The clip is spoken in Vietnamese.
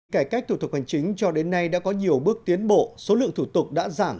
cải cách thủ tục hành chính cho đến nay đã có nhiều bước tiến bộ số lượng thủ tục đã giảm